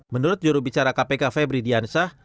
menurut jurubicara kpk febri diansah